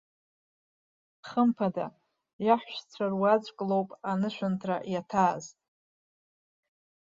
Хымԥада иаҳәшьцәа руаӡәк лоуп анышәынҭра иаҭааз.